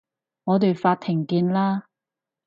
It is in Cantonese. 我哋法庭見啦